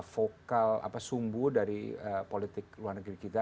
vokal apa sumbu dari politik luar negeri kita